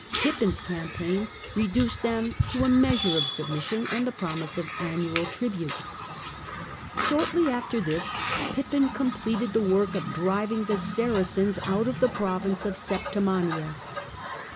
Pippin's campaign reduced them to a measure of submission and the promise of annual tribute. Saracens Shortly after this Pippin completed the work of driv ing the Saracens out of the province of Septimania.